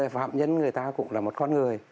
phạm nhân người ta cũng là một con người